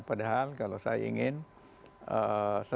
padahal kalau saya ingin setelah selesai masalah